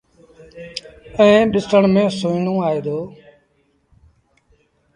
ائيٚݩ ڏسڻ ميݩ سُوئيڻون آئي دو۔